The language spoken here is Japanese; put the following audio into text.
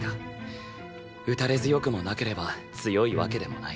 打たれ強くもなければ強いわけでもない。